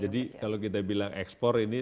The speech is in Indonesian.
jadi kalau kita bilang ekspor ini